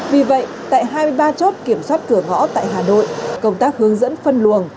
vì vậy tại hai mươi ba chốt kiểm soát cửa ngõ tại hà nội công tác hướng dẫn phân luồng